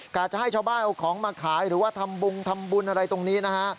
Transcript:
จะให้ชาวบ้านเอาของมาขายหรือว่าทำบุงทำบุญอะไรตรงนี้นะฮะ